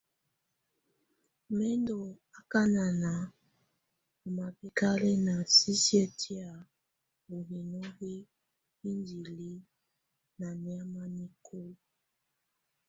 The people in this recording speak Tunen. Mɛ̀ ndɔ̀ akana ɔ́ mabɛkalɛna sisiǝ́ tɛ̀á ú hino hi indili ná nɛ̀ámɛa nikulǝ.